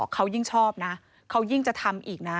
เขายิ่งชอบนะเขายิ่งจะทำอีกนะ